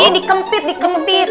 ini dikempit dikempit